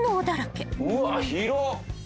うわ広っ。